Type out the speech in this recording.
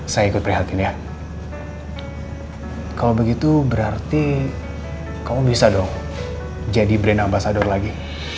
saya ikut perhatian ya kalo begitu berarti kamu bisa dong jadi belina basadur lagi